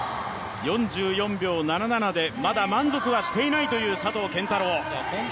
４４秒７７でまだ満足はしていないという佐藤拳太郎。